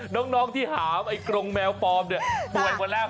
น้องที่หามไอ้กรงแมวปลอมเนี่ยป่วยมาแล้ว